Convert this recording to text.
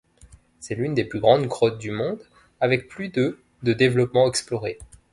C'est l'une des plus grandes grottes du monde avec plus de de développement exploré.